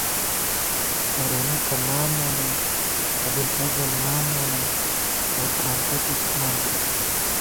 ہرَنُو تہ لام مونہ، ابُوالفضل نام مونہ ، گورتھانتہ بی ٹھان تِھبہ